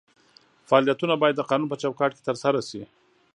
فعالیتونه باید د قانون په چوکاټ کې ترسره شي.